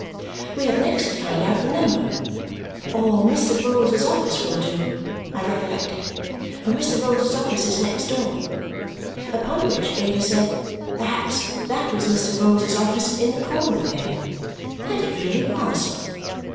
We had next to find out the number. "Or Mr. Vholes's office will do," I recollected, "for Mr. Vholes's office is next door." Upon which Ada said, perhaps that was Mr. Vholes's office in the corner there. And it really was.